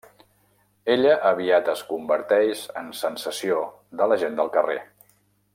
Ella aviat es converteix en sensació de la gent del carrer.